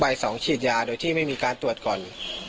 ๒ฉีดยาโดยที่ไม่มีการตรวจก่อน